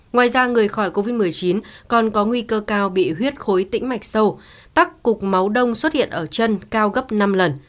ngoài ra người khỏi covid một mươi chín còn có nguy cơ cao bị huyết khối tĩnh mạch sâu tắc cục máu đông xuất hiện ở chân cao gấp năm lần